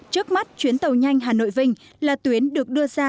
trước mắt chuyến tàu nhanh hà nội vinh là tuyến được đưa ra